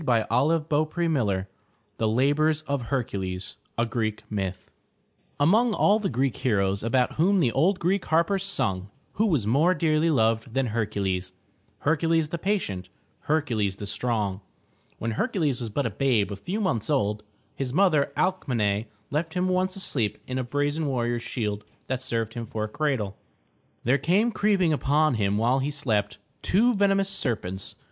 422 THE TREASURE CHEST THE LABORS OF HERCULES A Greek Myth Among all the Greek heroes about whom the old Greek harpers sung, who was more dearly loved than Her'cu les— Hercules, the patient, Hercules the strong? When Hercules was but a babe a few months old, his mother, Alc me'ne, left him once asleep in a brazen warrior's shield that served him for a cradle. There came creeping upon him while he slept, two venemous serpents.